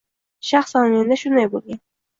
Shaxsan menda shunday boʻlgan.